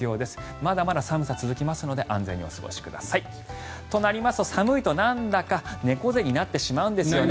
まだまだ寒さが続きますので安全にお過ごしください。となりますと、寒いとなんだか猫背になってしまうんですよね。